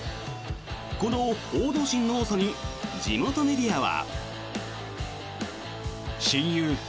この報道陣の多さに地元メディアは。